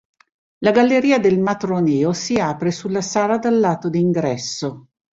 La galleria del matroneo si apre sulla sala dal lato d'ingresso.